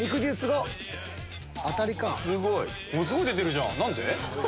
ものすごい出てるじゃん何で？